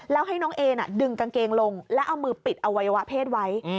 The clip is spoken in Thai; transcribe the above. แล้วให้น้องเอน่ะดึงกางเกงลงแล้วเอามือปิดอวัยวะเพศไว้